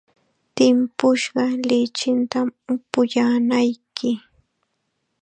Timpushqa lichitam upuyaanayki.